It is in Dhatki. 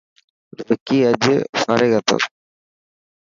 وڪي اڄ فارغ هتو.